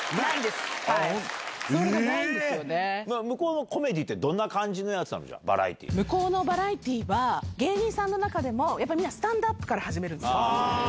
向こうのコメディーって、向こうのバラエティーは、芸人さんの中でも、やっぱりみんなスタンダップから始めるんですよ。